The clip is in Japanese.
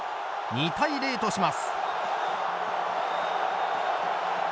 ２対０とします。